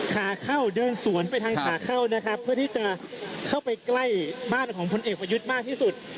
ขาเข้าเดินสวนไปทางขาเข้านะครับเพื่อที่จะเข้าไปใกล้บ้านของพลเอกประยุทธ์มากที่สุด